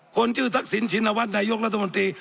คนชื่อทักษิณชินวัฒนนายกรัฐมนตรี